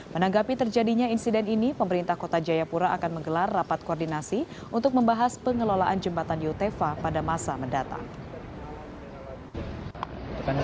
menanggapi terjadinya insiden ini pemerintah kota jayapura akan menggelar rapat koordinasi untuk membahas pengelolaan jembatan yutefa pada masa mendatang